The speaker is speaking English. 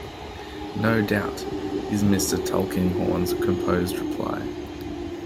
"No doubt," is Mr. Tulkinghorn's composed reply.